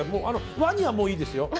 ワニはもういいですよ。